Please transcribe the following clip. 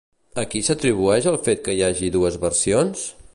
A què s'atribueix el fet que hi hagi dues versions?